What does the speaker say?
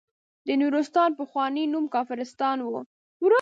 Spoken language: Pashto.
د نورستان پخوانی نوم کافرستان وه.